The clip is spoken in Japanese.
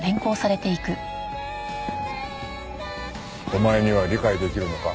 お前には理解できるのか？